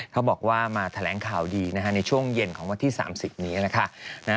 เขาบอกว่ามาแถลงข่าวดีในช่วงเย็นของวันที่๓๐นี้นะคะ